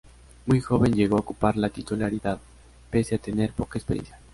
Muy joven llegó a ocupar la titularidad, pese a tener poca experiencia.